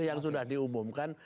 yang sudah diumumkan